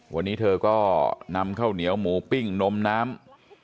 วันนี้เธอก็นำข้าวเหนียวหมูปิ้งนมน้ำ